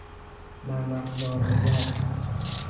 نرم افزارنگر